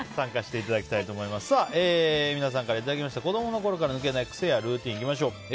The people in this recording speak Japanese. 皆さんからいただきました子供の頃から抜けない癖やルーティン。